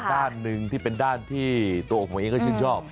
ด้านหนึ่งที่เป็นด้านที่ตัวผมเองก็ชื่นชอบ